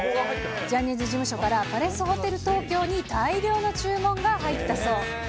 ジャニーズ事務所からパレスホテル東京に大量の注文が入ったそう。